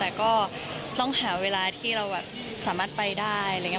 แต่ก็ต้องหาเวลาที่เราแบบสามารถไปได้อะไรอย่างนี้